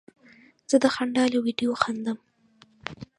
زه د خندا له ویډیو خندم.